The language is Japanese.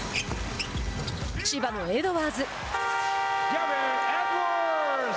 千葉のエドワーズ。